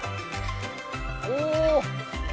お。